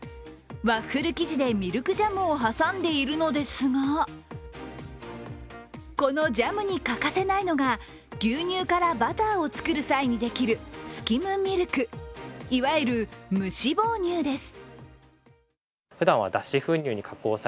ワッフル生地でミルクジャムを挟んでいるのですが、このジャムに欠かせないのが牛乳からバターを作る際にできるスキムミルク、いわゆる無脂肪乳です。